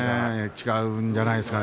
違うんじゃないですかね。